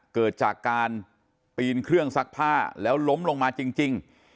เกิดจากการปีนเครื่องซักผ้าแล้วล้มลงมาจริง